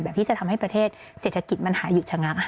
ที่จะทำให้ประเทศเศรษฐกิจมันหาหยุดชะงัก